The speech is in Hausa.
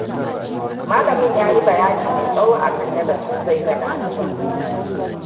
Malamin ya yi bayani mai tsawo akan darasin zai ga ɗaliban.